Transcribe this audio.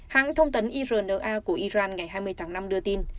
hãng thông tấn irna của iran ngày hai mươi tháng năm đưa tin